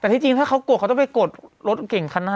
แต่ที่จริงถ้าเขากดเขาต้องไปกดรถเก่งคันหน้า